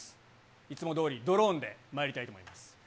いつもどおり、ドローンでまいりたいと思います。